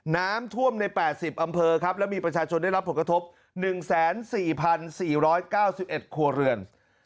น้ำท่วมใน๘๐อำเภอครับและมีประชาชนได้รับผลกระทบ๑๔๔๙๑ครัวเรือน